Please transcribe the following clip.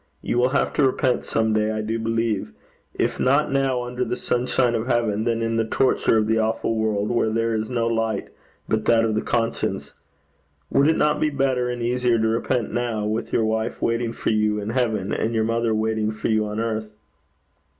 You will have to repent some day, I do believe if not now under the sunshine of heaven, then in the torture of the awful world where there is no light but that of the conscience. Would it not be better and easier to repent now, with your wife waiting for you in heaven, and your mother waiting for you on earth?'